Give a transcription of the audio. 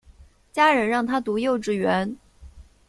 家人让她读幼稚园